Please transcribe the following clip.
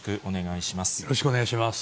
よろしくお願いします。